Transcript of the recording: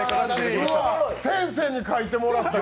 先生に描いてもらった。